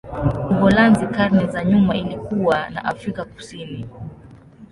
Uholanzi karne za nyuma ilikuwa na Afrika Kusini.